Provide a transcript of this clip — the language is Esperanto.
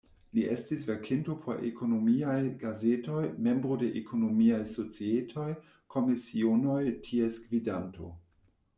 Li estis verkinto por ekonomiaj gazetoj, membro de ekonomiaj societoj, komisionoj, ties gvidanto.